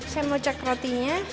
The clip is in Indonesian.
saya mau cek rotinya